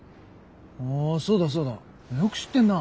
あそうだそうだ。よく知ってんな。